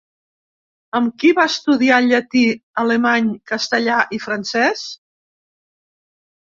Amb qui va estudiar llatí, alemany, castellà i francès?